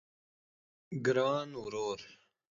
ګران ورور